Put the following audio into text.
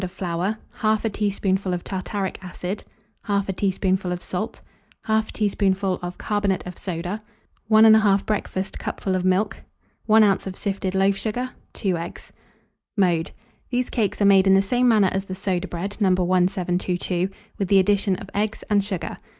of flour, 1/2 teaspoonful of tartaric acid, 1/2 teaspoonful of salt, 1/2 teaspoonful of carbonate of soda, 1 1/2 breakfast cupful of milk, 1 oz. of sifted loaf sugar, 2 eggs. Mode. These cakes are made in the same manner as the soda bread No. 1722, with the addition of eggs and sugar.